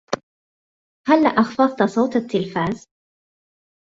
هلّا أخفضت صوت التلفاز؟